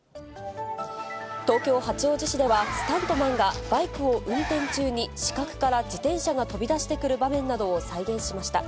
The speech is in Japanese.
東京・八王子市では、スタントマンがバイクを運転中に死角から自転車が飛び出してくる場面などを再現しました。